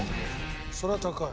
それは高い。